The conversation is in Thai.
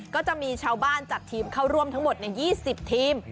ก็จะมีชาวบ้านจัดทีมเข้าร่วมทั้งหมด๒๐ทีม